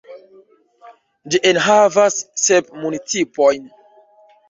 Ĝi enhavas sep municipojn.